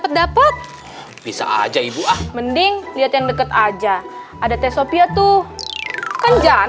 terima jadi kan enak